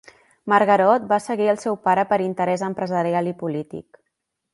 Margarot va seguir al seu pare per interès empresarial i polític.